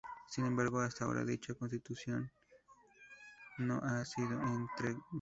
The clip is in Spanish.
Sin embargo hasta ahora dicha continuación no ha sido encontrada.